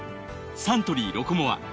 サントリー「ロコモア」